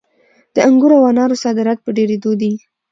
د انګورو او انارو صادرات په ډېرېدو دي.